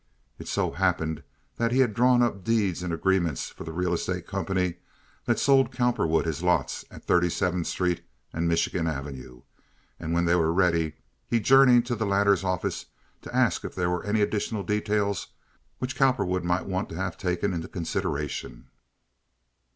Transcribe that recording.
It so happened that he had drawn up the deeds and agreements for the real estate company that sold Cowperwood his lots at Thirty seventh Street and Michigan Avenue, and when they were ready he journeyed to the latter's office to ask if there were any additional details which Cowperwood might want to have taken into consideration.